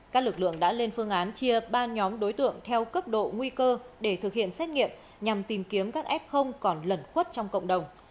các lực lượng đã lên phương án chia ba nhóm đối tượng theo cấp độ nguy cơ để thực hiện xét nghiệm nhằm tìm kiếm các f còn lẩn khuất trong cộng đồng